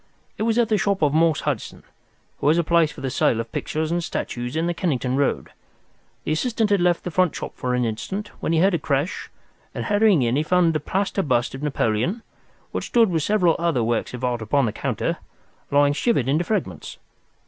"It was at the shop of Morse Hudson, who has a place for the sale of pictures and statues in the Kennington Road. The assistant had left the front shop for an instant, when he heard a crash, and hurrying in he found a plaster bust of Napoleon, which stood with several other works of art upon the counter, lying shivered into fragments.